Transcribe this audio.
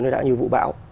nó đã như vụ bão